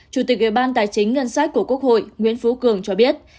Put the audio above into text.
chủ tịch ủy ban tài chính ngân sách của quốc hội nguyễn phú cường cho biết